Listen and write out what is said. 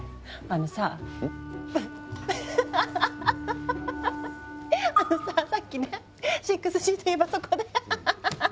あのささっきね６Ｇっていえばそこでそこで。